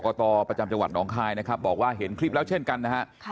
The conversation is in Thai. ตประจำจังหวัดหนองคายนะครับบอกว่าเห็นคลิปแล้วเช่นกันนะฮะ